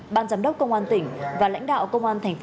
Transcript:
ban giám đốc công an tỉnh và lãnh đạo công an thành phố